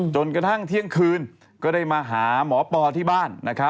จนกระทั่งเที่ยงคืนก็ได้มาหาหมอปอที่บ้าน